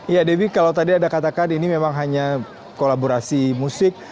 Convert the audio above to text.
ya debbie kalau tadi anda katakan ini memang hanya kolaborasi musik